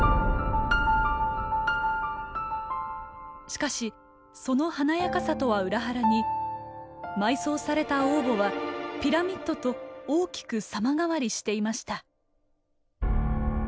しかしその華やかさとは裏腹に埋葬された王墓はピラミッドと大きく様変わりしていました。